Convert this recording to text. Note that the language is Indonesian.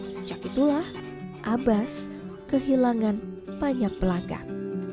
sejak itulah abas kehilangan banyak pelanggan